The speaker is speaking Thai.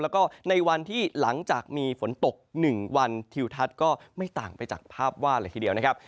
แล้วก็ในวันที่หลังจากมีฝนตก๑วันทิวทัศน์ก็ไม่ต่างไปจากภาพว่าเลยทีเดียวนะครับ